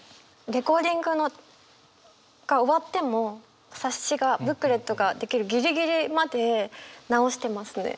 レコーディングが終わっても冊子がブックレットが出来るギリギリまで直してますね。